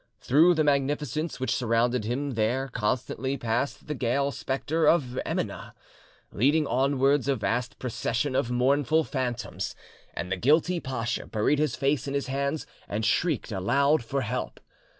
Through the magnificence which surrounded him there constantly passed the gale spectre of Emineh, leading onwards a vast procession of mournful phantoms, and the guilty pasha buried his face in his hands and shrieked aloud for help.